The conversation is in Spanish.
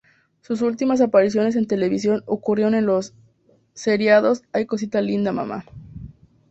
Sus últimas apariciones en televisión ocurrieron en los seriados "¡Ay cosita linda mamá!